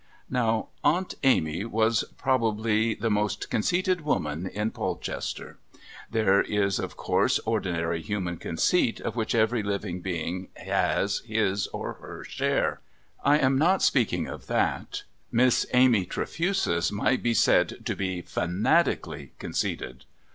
Now Aunt Amy was probably the most conceited woman in Polchester. There is of course ordinary human conceit, of which every living being has his or her share. I am not speaking of that; Miss Amy Trefusis might be said to be fanatically conceited.